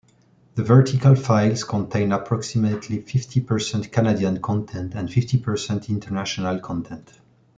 The vertical files contain approximately fifty percent Canadian content and fifty percent international content.